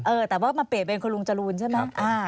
เออแต่ว่ามันเปลี่ยนเป็นคุณลุงจรูนใช่ไหม